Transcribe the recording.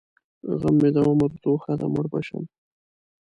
غم مې د عمر توښه ده؛ مړ به شم.